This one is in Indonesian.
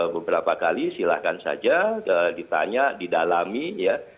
beberapa kali silahkan saja ditanya didalami ya